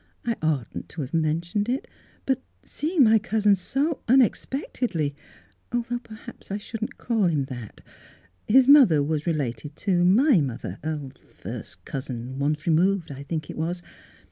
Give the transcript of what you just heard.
" I oughtn't to have mentioned it ; but seeing my cousin so unexpectedly — though perhaps I shouldn't call him that. His mother was related to my mother — first cousin, once removed, I think it was.